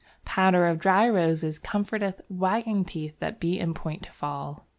"Powder of dry Roses comforteth wagging Teeth that be in point to fall."